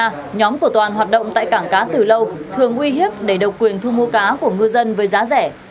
qua điều tra nhóm của toàn hoạt động tại cảng cá từ lâu thường uy hiếp để độc quyền thu mua cá của ngư dân với giá rẻ